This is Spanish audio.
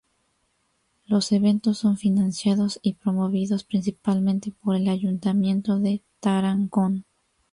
Los eventos son financiados y promovidos principalmente por el Ayuntamiento de Tarancón.